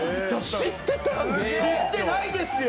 知ってないですよ。